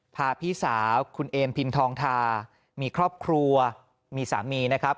พาพี่สาวคุณเอมพินทองทามีครอบครัวมีสามีนะครับ